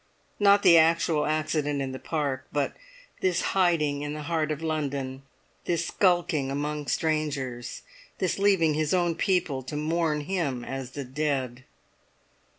Not the actual accident in the Park; but this hiding in the heart of London, this skulking among strangers, this leaving his own people to mourn him as the dead!